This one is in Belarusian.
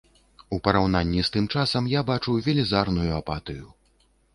У параўнанні з тым часам я бачу велізарную апатыю.